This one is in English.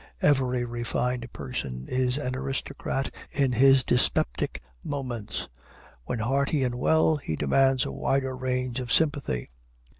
Every refined person is an aristocrat in his dyspeptic moments; when hearty and well, he demands a wider range of sympathy.